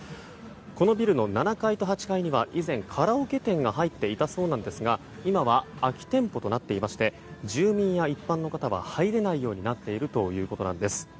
このビルの７階と８階には以前、カラオケ店が入っていたそうですが今は、空き店舗となっていまして住民や一般の方は入れないようになっているということなんです。